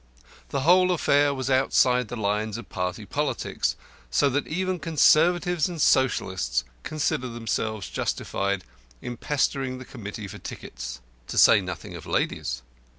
The whole affair was outside the lines of party politics, so that even Conservatives and Socialists considered themselves justified in pestering the committee for tickets. To say nothing of ladies!